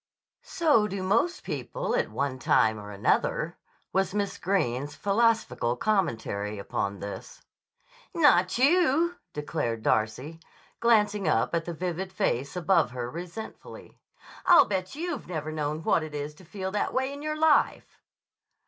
"So do most people at one time or another," was Miss Greene's philosophical commentary upon this. "Not you," declared Darcy, glancing up at the vivid face above her resentfully. "I'll bet you've never known what it is to feel that way in your life."